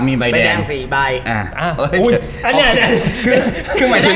มีใบแดงใบแดงสิใบอ่าอุ้ยอันเนี้ยคือคือหมายถึง